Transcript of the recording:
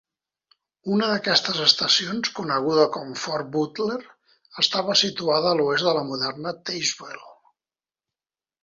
Una d'aquestes estacions, coneguda com Fort Butler, estava situada a l'oest de la moderna Tazewell.